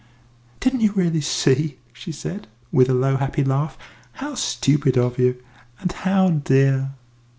"Didn't you really see?" she said, with a low, happy laugh. "How stupid of you! And how dear!"